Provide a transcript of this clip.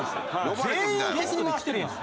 全員敵に回してるやん。